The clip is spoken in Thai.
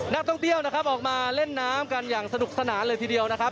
นักท่องเที่ยวนะครับออกมาเล่นน้ำกันอย่างสนุกสนานเลยทีเดียวนะครับ